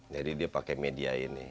dia pakai media ini